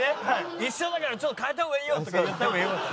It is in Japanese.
一緒だからちょっと変えた方がいいよとか言った方がよかった。